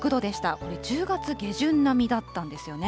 これ、１０月下旬並みだったんですよね。